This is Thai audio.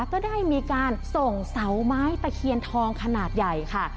ก็ได้มีการส่งเสาไม้ตะเคียนทองขนาดใหญ่ค่ะ